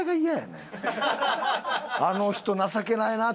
あの人情けないな。